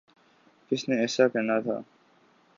کس نے ایسا کرنا تھا؟